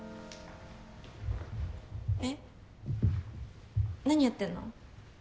えっ何やってんの？